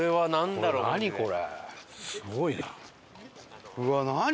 すごいな。